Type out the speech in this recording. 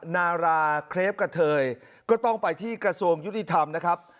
นาราเครปกะเทยก็ต้องไปที่กระทรวงยุติธรรมนะครับ